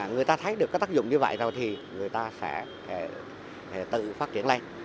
người ta thấy được cái tác dụng như vậy rồi thì người ta sẽ tự phát triển lên